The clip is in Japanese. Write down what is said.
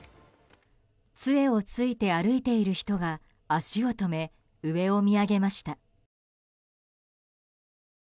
杖を突いて歩いている人が足を止め上を見上げました。